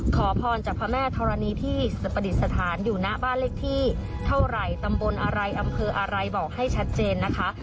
ขอพรจากพระแม่ธรณีที่ประดิษฐานอยู่หน้าบ้านเลขที่เท่าไหร่ตำบลอะไรอำเภออะไรบอกให้ชัดเจนนะคะ